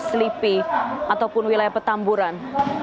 selipi ataupun wilayah petamburan